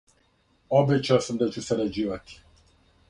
Обећао сам да ћу сарађивати .